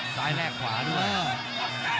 ซ้ายแลกขวาด้วย